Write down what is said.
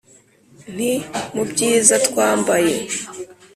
nti:mu byiza twambaye